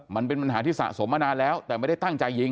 มันเป็นปัญหาที่สะสมมานานแล้วแต่ไม่ได้ตั้งใจยิง